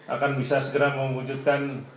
akan bisa segera mewujudkan